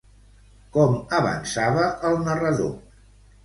Com avançava el narrador?